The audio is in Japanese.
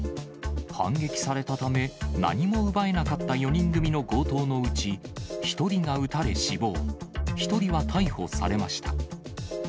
反撃されたため、何も奪えなかった４人組の強盗のうち、１人が撃たれ死亡、１人は逮捕されました。